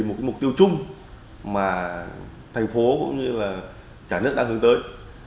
một mục tiêu chung mà thành phố cũng như cả nước đang hướng tới